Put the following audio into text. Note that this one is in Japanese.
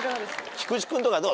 菊池君とかどう？